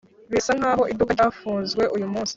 Birasa nkaho iduka ryafunzwe uyu munsi